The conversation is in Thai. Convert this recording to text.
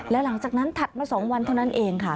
และหลังจากนั้นถัดมา๒วันเท่านั้นเองค่ะ